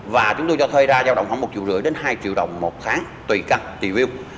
và chúng tôi cho thuê ra giao động khoảng một triệu rưỡi đến hai triệu đồng một tháng tùy cắt tùy viên